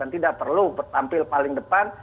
tidak perlu tampil paling depan